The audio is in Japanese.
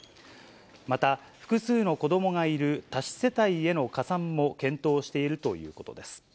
また、複数の子どもがいる多子世帯への加算も検討しているということです。